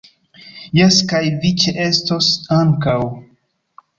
Jes, kaj vi ĉeestos ankaŭ